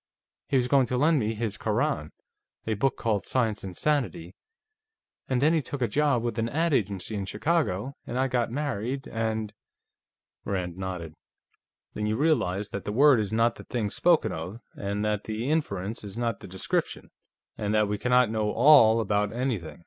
He was going to lend me his Koran, a book called Science and Sanity, and then he took a job with an ad agency in Chicago, and I got married, and " Rand nodded. "Then you realize that the word is not the thing spoken of, and that the inference is not the description, and that we cannot know 'all' about anything.